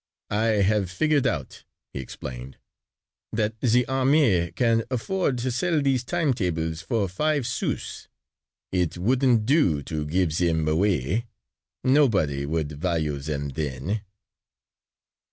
"I have figured out," he explained, "that the army can afford to sell these time tables for five sous. It wouldn't do to give them away. Nobody would value them then."